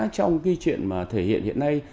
trong cái chuyện mà thể hiện hiện nay